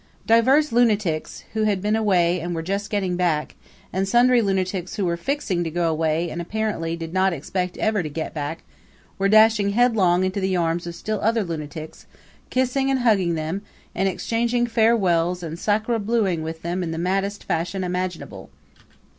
Divers lunatics, who had been away and were just getting back, and sundry lunatics who were fixing to go away and apparently did not expect ever to get back, were dashing headlong into the arms of still other lunatics, kissing and hugging them, and exchanging farewells and sacre bleuing with them in the maddest fashion imaginable.